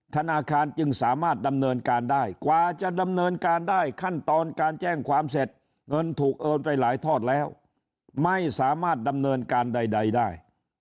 ธนาคารจึงสามารถดำเนินการได้กว่าจะดำเนินการได้ขั้นตอนการแจ้งความเสร็จเงินถูกโอนไปหลายทอดแล้วไม่สามารถดำเนินการใดได้